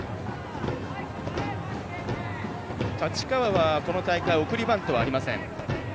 太刀川は、この大会送りバントはありません。